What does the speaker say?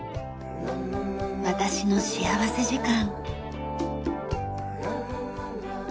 『私の幸福時間』。